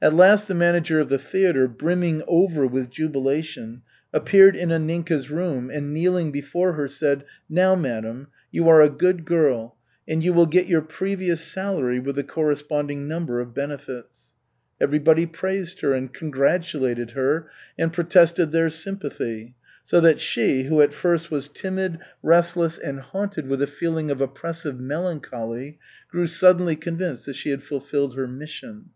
At last the manager of the theatre, brimming over with jubilation, appeared in Anninka's room and, kneeling before her, said, "Now, madam, you are a good girl and you will get your previous salary with the corresponding number of benefits." Everybody praised her and congratulated her and protested their sympathy, so that she, who at first was timid, restless, and haunted with a feeling of oppressive melancholy, grew suddenly convinced that she had fulfilled her mission.